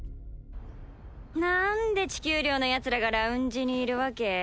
なんで地球寮のヤツらがラウンジにいるわけ？